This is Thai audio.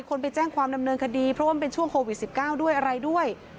คนไปแจ้งความดำเนินคดีเพราะว่ามันเป็นช่วงโควิด๑๙ด้วยอะไรด้วย